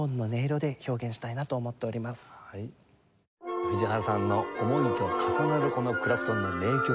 藤原さんの思いと重なるこのクラプトンの名曲。